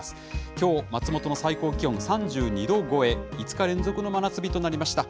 きょう、松本の最高気温が３２度超え、５日連続の真夏日となりました。